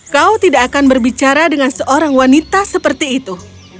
kau tidak akan berbicara dengan seorang wanita seperti itu